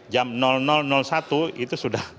jam satu itu sudah